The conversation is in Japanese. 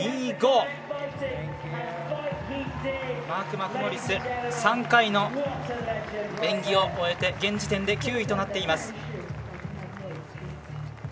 マーク・マクモリス３回の演技を終えて現時点で９位となっています。